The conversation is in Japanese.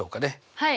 はい。